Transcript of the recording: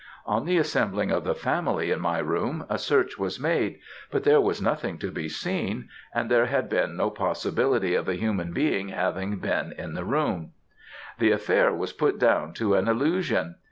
On the assembling of the family in my room, a search was made; but there was nothing to be seen, and there had been no possibility of a human being having been in the room; the affair was put down to an illusion.